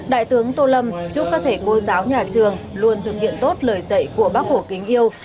đại tướng tô lâm chúc các thầy cô giáo nhà trường luôn thực hiện tốt lời dạy của bác hổ kính yêu